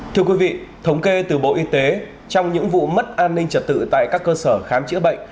thưa quý vị thống kê từ bộ y tế trong những vụ mất an ninh trật tự tại các cơ sở khám chữa bệnh